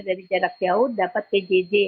dari jarak jauh dapat pjj